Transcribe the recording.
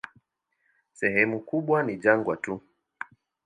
Sehemu kubwa ni jangwa tu.